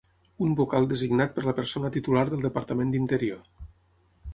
Un vocal designat per la persona titular del Departament d'Interior.